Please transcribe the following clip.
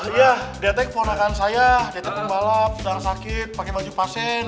iya detek keponakan saya detek pembalap darah sakit pakai baju pasien